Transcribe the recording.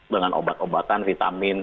dengan obat obatan vitamin